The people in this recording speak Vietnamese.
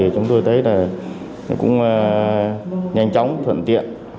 chúng tôi thấy cũng nhanh chóng thuận tiện